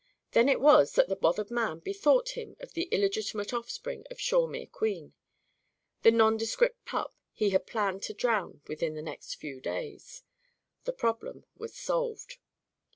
Then it was that the bothered man bethought him of the illegitimate offspring of Shawemere Queen, the nondescript pup he had planned to drown within the next few days. The problem was solved.